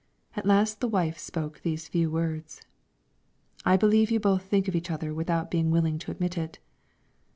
At last the wife spoke these few words: "I believe you both think of each other without being willing to admit it."